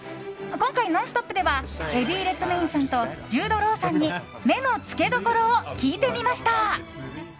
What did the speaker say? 今回「ノンストップ！」ではエディ・レッドメインさんとジュード・ロウさんに目のつけどころを聞いてみました。